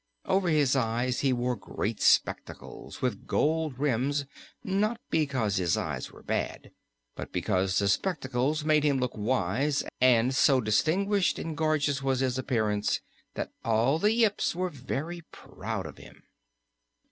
Over his eyes he wore great spectacles with gold rims, not because his eyes were bad, but because the spectacles made him look wise, and so distinguished and gorgeous was his appearance that all the Yips were very proud of him.